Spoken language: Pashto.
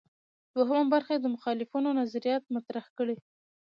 دوهمه برخه کې د مخالفانو نظریات مطرح کړي.